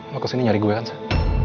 lo kesini nyari gue kan sah